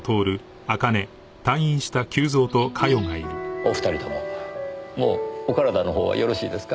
お二人とももうお体の方はよろしいですか？